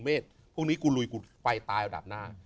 เหมือนคนตูนเมษพวกนี้กูลุยกูไปตายอันดับหน้า